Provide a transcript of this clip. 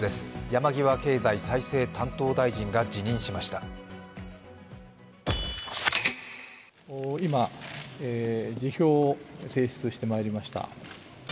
山際経済再生担当大臣が辞任しました。